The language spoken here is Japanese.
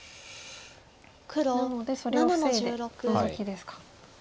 なのでそれを防いでノゾキですか。